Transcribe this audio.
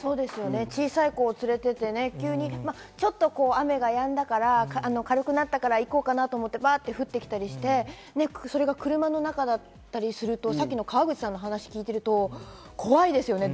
小さい子を連れていて、急にちょっと雨がやんだから軽くなったから行こうかなと思って降ってきたりして、それが車の中だったりすると、川口さんのお話を聞いてると怖いですよね。